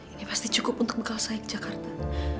ini pasti cukup untuk bekal saya ke jakarta